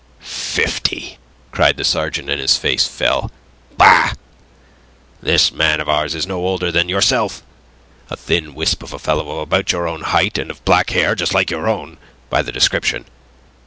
"Fifty!" cried the sergeant, and his face fell. "Bah! This man of ours is no older than yourself, a thin wisp of a fellow of about your own height and of black hair, just like your own, by the description.